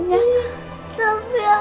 tapi aku pengen